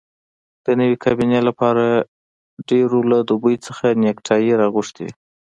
د نوې کابینې لپاره ډېرو له دوبۍ څخه نیکټایي راغوښتي وې.